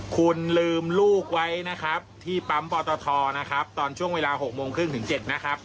คุณลืมลูกไว้นะครับที่ปั๊มปอตทนะครับตอนช่วงเวลา๖โมงครึ่งถึง๗นะครับ